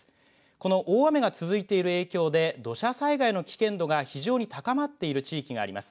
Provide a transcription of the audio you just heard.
この大雨が続いている影響で土砂災害の危険度が非常に高まっている地域があります。